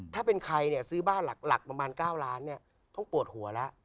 ถ้าเป็นใครเนี่ยซื้อบ้านหลักประมาณ๙ล้านต้องปวดหัวแล้ว